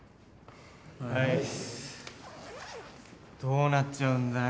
どうなっちゃうんだよ。